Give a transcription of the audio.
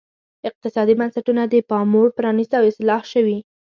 اقتصادي بنسټونه د پاموړ پرانیست او اصلاح شوي.